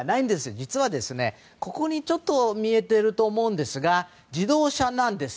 実は、ちょっと見えていると思いますが自動車なんです。